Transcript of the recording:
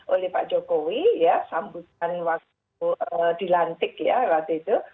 oleh pak jokowi ya sambutan waktu dilantik ya waktu itu